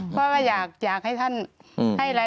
เพราะว่าอยากให้ท่านให้อะไร